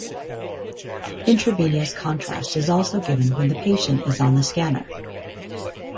Intravenous contrast is also given when the patient is on the scanner.